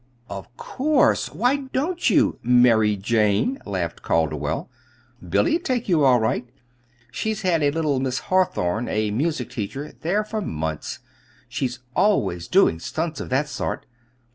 "Of course! Why don't you 'Mary Jane'?" laughed Calderwell. "Billy'd take you all right. She's had a little Miss Hawthorn, a music teacher, there for months. She's always doing stunts of that sort.